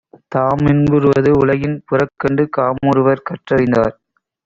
தாமின்புறுவது உலகின் புறக்கண்டு காமுறுவர் கற்றறிந்தார்.